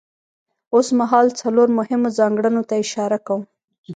اوسمهال څلورو مهمو ځانګړنو ته اشاره کوم.